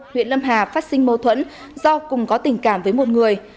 huyện lâm hà phát sinh mâu thuẫn do cùng có tình cảm với một người